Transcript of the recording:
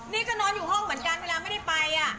นี่ก็นอนอยู่ห้องเหมือนกันเวลาไม่ได้ไป